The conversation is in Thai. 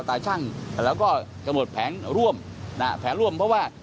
รถบารุกทั้งหมดที่วิ่งเข้าทางกรุงเทพทั้งหมดวันนี้ต้องซีนทั้งหมด